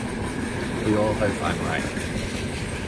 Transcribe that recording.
We all hope I am right.